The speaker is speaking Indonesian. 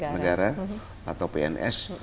negara atau pns